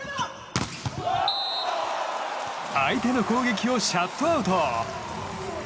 相手の攻撃をシャットアウト！